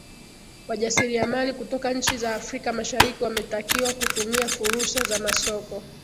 wajasiriamali kutoka nchi za afrika mashariki wametakiwa kutumia furusa za masoko